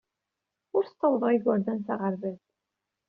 Ur ssawḍeɣ igerdan s aɣerbaz.